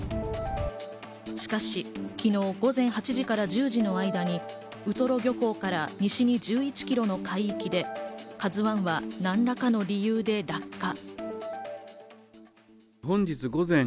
しかし、昨日午前８時から１０時の間にウトロ漁港から西に１１キロの海域で「ＫＡＺＵ１」は何らかの理由で落下。